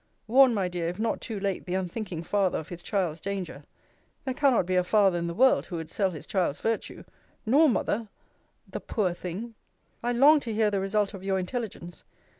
Warn, my dear, if not too late, the unthinking father, of his child's danger. There cannot be a father in the world, who would sell his child's virtue. Nor mother! The poor thing! I long to hear the result of your intelligence.